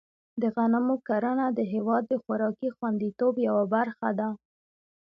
د غنمو کرنه د هېواد د خوراکي خوندیتوب یوه برخه ده.